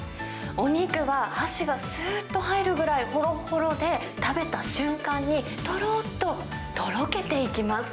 お肉は箸がすっと入るぐらい、ほろほろで、食べた瞬間に、とろっと、とろけていきます。